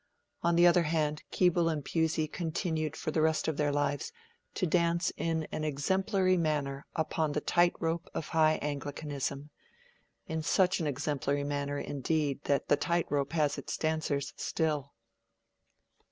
On the other hand, Keble and Pusey continued for the rest of their lives to dance in an exemplary manner upon the tight rope of High Anglicanism; in such an exemplary manner, indeed, that the tight rope has its dancers still.